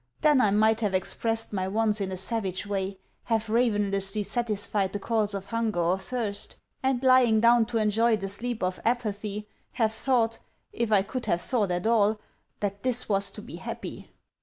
Then I might have expressed my wants in a savage way; have ravenously satisfied the calls of hunger or thirst; and, lying down to enjoy the sleep of apathy, have thought, if I could have thought at all, that this was to be happy.